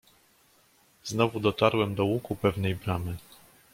"Znowu dotarłem do łuku pewnej bramy."